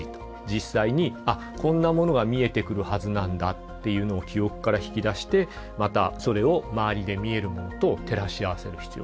実際に「あっこんなものが見えてくるはずなんだ」っていうのを記憶から引き出してまたそれを周りで見えるものと照らし合わせる必要がある。